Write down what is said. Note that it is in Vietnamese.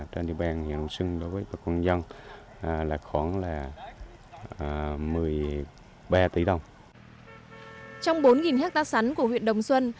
trong bốn hectare sắn của huyện đồng xuân